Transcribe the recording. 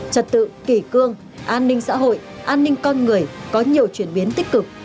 trật tự kỷ cương an ninh xã hội an ninh con người có nhiều chuyển biến tích cực